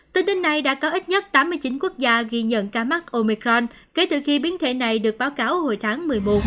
tính đến nay đã có ít nhất tám mươi chín quốc gia ghi nhận ca mắc omicron kể từ khi biến thể này được báo cáo hồi tháng một mươi một